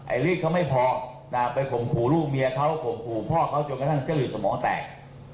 รีดเขาไม่พอไปข่มขู่ลูกเมียเขาข่มขู่พ่อเขาจนกระทั่งเจ้าหลีดสมองแตก